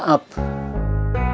saya keban selama tugas